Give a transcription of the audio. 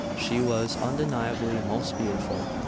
She was, undeniably, most beautiful.